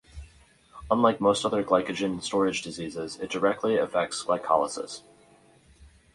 Unlike most other glycogen storage diseases, it directly affects glycolysis.